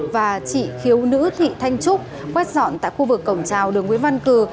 và chị khiếu nữ thị thanh trúc quét dọn tại khu vực cổng trào đường nguyễn văn cử